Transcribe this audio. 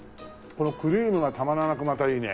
このクリームがたまらなくまたいいね。